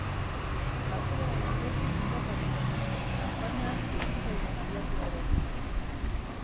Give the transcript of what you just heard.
Kafearen ondotik koparik ez, txanpaina ez zitzaigun ailatu ere.